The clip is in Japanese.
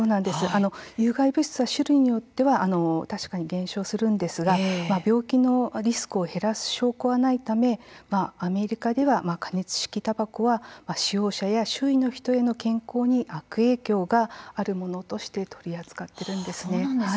有害物質は種類によっては確かに減少するんですが病気のリスクを減らす証拠はないため、アメリカでは加熱式たばこは使用者や周囲の人への健康に悪影響があるものとして取り扱っているんですね。